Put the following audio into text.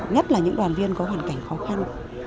những đoàn viên có hoàn cảnh khó khăn